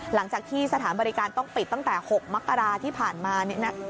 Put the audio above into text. หลังจากที่สถานบริการต้องปิดตั้งแต่๖มกราที่ผ่านมา